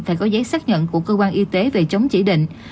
phải có giấy xác nhận của cơ quan y tế về chống chỉ định